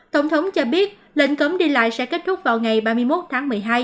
tổng thống cho biết lệnh cấm đi lại sẽ kết thúc vào ngày ba mươi một tháng một mươi hai